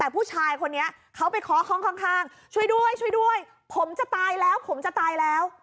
แต่ผู้ชายคนนี้เขาไปเคาะห้องข้างช่วยด้วยช่วยด้วยผมจะตายแล้วผมจะตายแล้ว